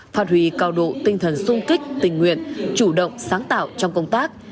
phát huy cao độ tinh thần sung kích tình nguyện chủ động sáng tạo trong công tác